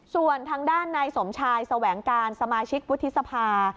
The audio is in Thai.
ส่วนทางด้านนายสมชายแสวงการสมาชิกวุฒิสภา